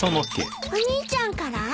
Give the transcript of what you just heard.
お兄ちゃんから？